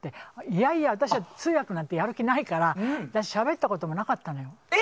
いやいや、私は通訳なんてやる気ないからしゃべったこともなかったの。